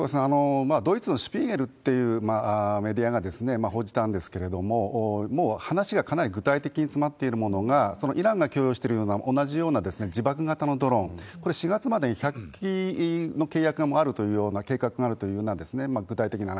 ドイツのシュピーゲルっていうメディアが報じたんですけれども、もう話がかなり具体的に詰まっているものが、イランが供与しているような同じような自爆型のドローン、これ４月までに１００機の契約があるというような計画があるというようなんですね、具体的な話。